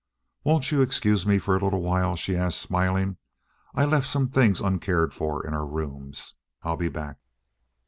"Won't you excuse me for a little while?" she asked, smiling. "I left some things uncared for in our rooms. I'll be back."